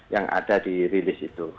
yang ada di rilis itu